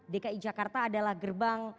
dki jakarta adalah gerbang